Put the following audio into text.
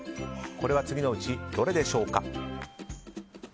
これは次のうちどれでしょうか。